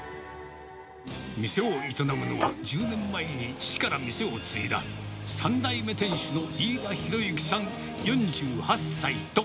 店を営むのは、１０年前に父から店を継いだ、３代目店主の飯田啓之さん４８歳と。